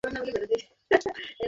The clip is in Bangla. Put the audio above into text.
এ কী খবর!